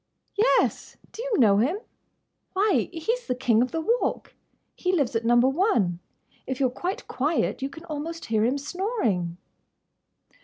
"Yes!—Do you know him?" "Why, he's the King of the Walk! He lives at Number One. If you 're quite quiet you can almost hear him snoring!"